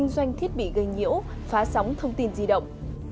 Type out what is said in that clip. doanh thiết bị gây nhiễu phá sóng thông tin di động